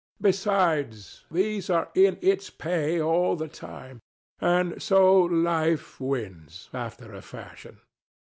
Besides, these are in its pay all the time. And so Life wins, after a fashion.